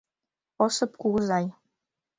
— Осып кугызай.